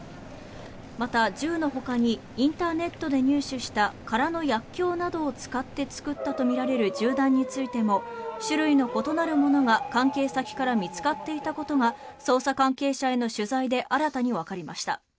また、銃のほかにインターネットで入手した空の薬きょうなどを使って作ったとみられる銃弾についても種類の異なるものが関係先から見つかっていたことが捜査関係者への取材で新たにわかりました。